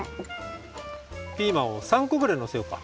ピーマンを３こぐらいのせようか。